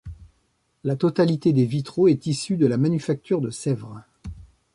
La totalité des vitraux est issue de la manufacture de Sèvres.